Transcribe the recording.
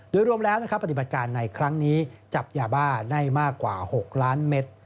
โดยรวมแล้วปฏิบัติการในครั้งนี้จับยาบ้าได้มากกว่า๖๐๐๐๐๐๐เมตร